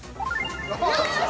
よし！